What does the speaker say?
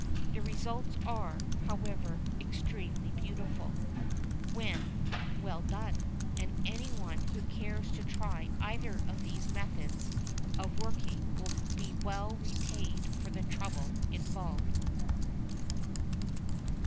The results are, however, extremely beautiful, when well done, and anyone who cares to try either of these methods of working will be well repaid for the trouble involved.